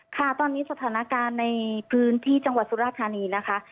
ค่ะตอนนี้สถานการณ์ในพื้นที่จังหวัดสุราธานีนะคะ